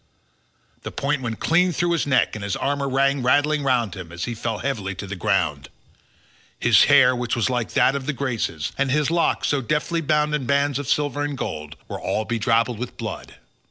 The point went clean through his neck, and his armour rang rattling round him as he fell heavily to the ground. His hair which was like that of the Graces, and his locks so deftly bound in bands of silver and gold, were all bedrabbled with blood.